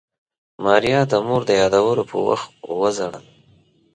ماريا د مور د يادولو په وخت وژړل.